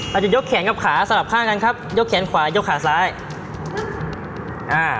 จะยกแขนกับขาสลับข้างกันครับยกแขนขวายกขาซ้ายอ่า